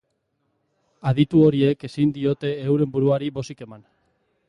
Aditu horiek ezin diote euren buruari bozik eman.